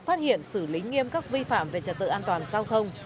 phát hiện xử lý nghiêm các vi phạm về trật tự an toàn giao thông